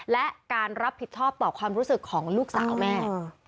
และการรับผิดชอบต่อความรู้สึกของลูกสาวแม่